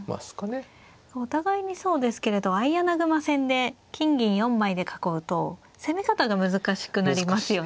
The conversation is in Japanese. お互いにそうですけれど相穴熊戦で金銀４枚で囲うと攻め方が難しくなりますよね。